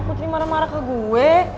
kok jadi marah marah ke gue